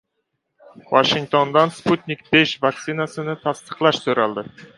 Vashingtondan "Sputnik V" vaksinasini tasdiqlash so‘raldi